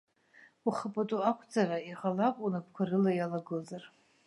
Ухы апату акәҵара, иҟалап, унапқәа рыла иалагозар.